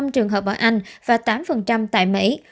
chín trường hợp ở anh và tám tại mỹ